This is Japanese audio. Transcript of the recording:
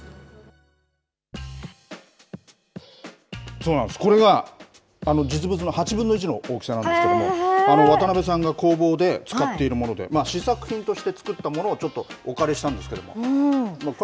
そうなんです、これが実物の８分の１の大きさなんですけれども、渡邉さんが工房で使っているもので、試作品として作ったものをちょっとお借りしたんですけれども。